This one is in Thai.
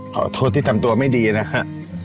ขอโทษที่ทำตัวไม่ดีนะฮะ